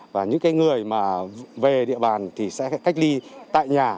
và những người về địa bàn sẽ cách ly tại nhà